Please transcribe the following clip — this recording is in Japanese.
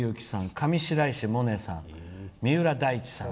上白石萌音さん、三浦大知さん